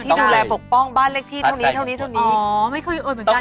ที่ดูแลปกป้องบ้านเล็กที่เท่านี้เท่านี้เท่านี้